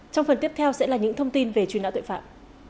trong phần tiếp theo sẽ là những thông tin về truy nã tội phạm